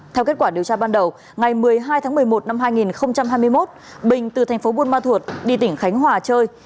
theo kết quả điều tra ban đầu ngày một mươi hai tháng một mươi một năm hai nghìn hai mươi một bình từ thành phố buôn ma thuột đi tỉnh khánh hòa chơi